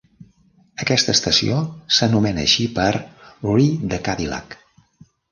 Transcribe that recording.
Aquesta estació s'anomena així per "rue de Cadillac".